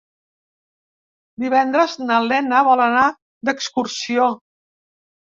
Divendres na Lena vol anar d'excursió.